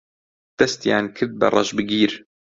دەستیان کرد بە ڕەشبگیر